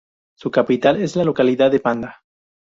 Su capital es la localidad de Panda.